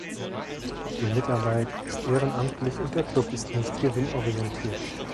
Die Mitarbeit ist ehrenamtlich und der Club ist nicht gewinnorientiert.